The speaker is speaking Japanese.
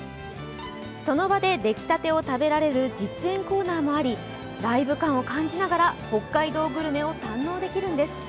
その場で出来たてを食べられる実演コーナーもあり、ライブ感を感じながら北海道グルメを堪能できるんです。